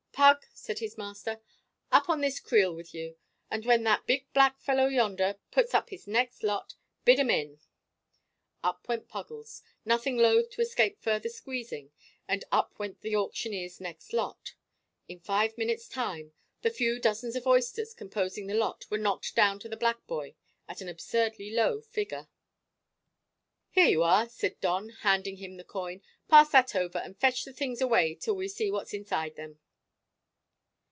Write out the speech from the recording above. "Pug," said his master, "up on this creel with you, and when that big black fellow yonder puts up his next lot, bid 'em in." Up went Puggles, nothing loth to escape further squeezing, and up went the auctioneer's next lot. In five minutes' time the few dozens of oysters composing the lot were knocked down to the black boy at an absurdly low figure. "Here you are," said Don, handing him the coin. "Pass that over, and fetch the things away till we see what's inside them."